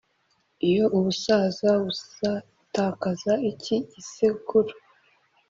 iyo ubusaza buzatakaza iki gisekuru,